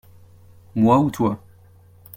Moi ou toi.